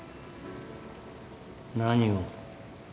何を？